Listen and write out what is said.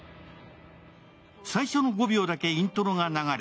最初の５秒だけイントロが流れ